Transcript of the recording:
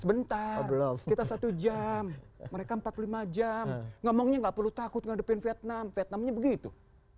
sebentar kita satu jam mereka empat puluh lima jam ngomongnya gak perlu takut ngadepin vietnam vietnamnya begitu